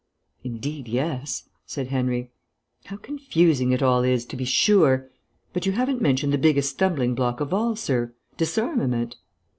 "Indeed, yes," said Henry. "How confusing it all is, to be sure! But you haven't mentioned the biggest stumbling block of all, sir disarmament."